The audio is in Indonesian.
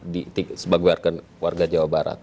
di sebagian warga jawa barat